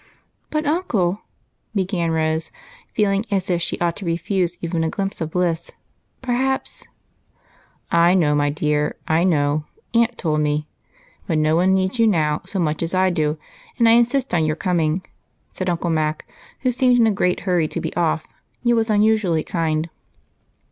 " But, uncle," began Rose, feeling as if she ought to refuse even a glimpse of bliss, "perhaps —"" I know, my dear, I know ; aunt told me ; but no one needs you now so much as I do, and I insist on your coming," said Uncle Mac, who seemed in a great hurry to be off, yet was unusually kind.